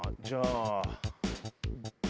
じゃあ。